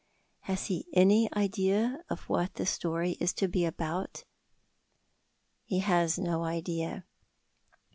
Has he any idea of what the story is to be about? He has no idea.